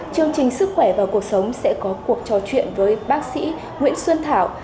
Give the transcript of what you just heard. chương trình sức khỏe và cuộc sống sẽ có cuộc trò chuyện với bác sĩ nguyễn xuân thảo